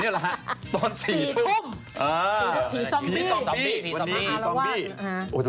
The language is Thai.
หล่าผีตอนสี่ธุ่มผีซอมบี้